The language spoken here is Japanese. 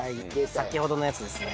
先ほどのやつですね。